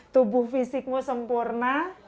tubuh fisikmu sempurna